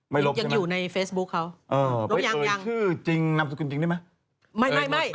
ไม่รบใช่ไหมอ๋อพออยู่ชื่อจริงนำสุขุนจริงได้ไหม